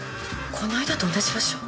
この間と同じ場所？